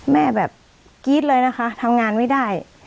แม่แบบกรี๊ดเลยนะคะทำงานไม่ได้